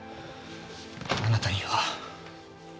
あなたには。